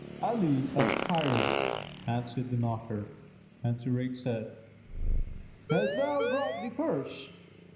"Ali of Cairo," answered the knocker; and Zurayk said, "Hast thou brought the purse?"